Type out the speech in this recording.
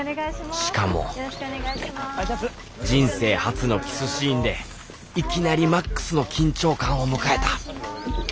しかも人生初のキスシーンでいきなりマックスの緊張感を迎えた